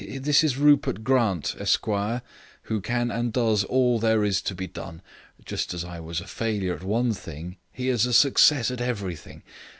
This is Rupert Grant, Esquire, who can and does all there is to be done. Just as I was a failure at one thing, he is a success at everything.